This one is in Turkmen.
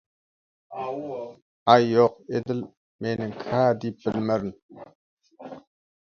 Aý ýok, edil meniňki hä diýip bilmerin.